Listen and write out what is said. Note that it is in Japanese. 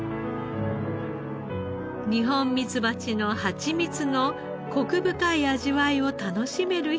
ニホンミツバチのハチミツのコク深い味わいを楽しめるひと品。